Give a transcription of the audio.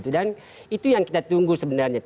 dan itu yang kita tunggu sebenarnya